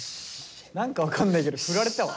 何か分かんないけど振られたわ。